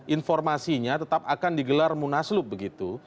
informasinya tetap akan digelar munaslup begitu